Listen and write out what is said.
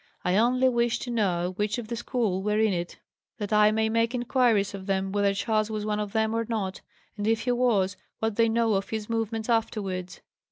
I only wish to know which of the school were in it, that I may make inquiries of them whether Charles was one of them or not; and, if he was, what they know of his movements afterwards."